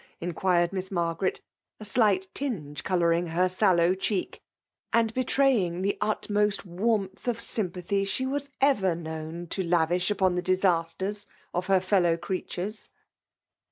inquired Miss Margaret^ a slight tinge colouring her sallow cheek> and betraying the utmost warmth of sympathy she was ever known to lavish upon the disasters of her fel low creatures.